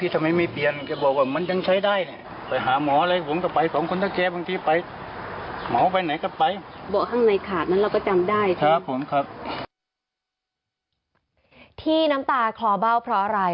ที่น้ำตาคลอเบ้าเพราะอะไร